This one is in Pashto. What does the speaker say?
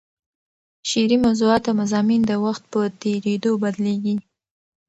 شعري موضوعات او مضامین د وخت په تېرېدو بدلېږي.